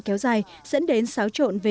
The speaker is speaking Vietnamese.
kéo dài dẫn đến xáo trộn về